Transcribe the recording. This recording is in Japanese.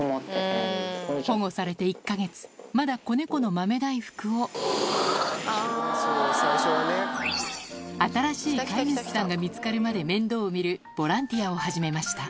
保護されて１か月まだ子ネコの豆大福を新しい飼い主さんが見つかるまで面倒を見るボランティアを始めました